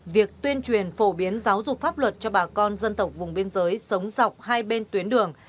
việc tuyên truyền phổ biến giáo dục pháp luật cho bà con dân tộc vùng biên giới sống dọc hai bên tuyến đường